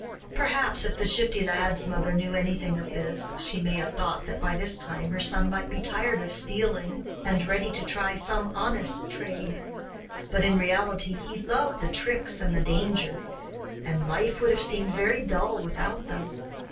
Perhaps if the Shifty Lad's mother knew anything of this, she may have thought that by this time her son might be tired of stealing, and ready to try some honest trade. But in reality he loved the tricks and danger, and life would have seemed very dull without them.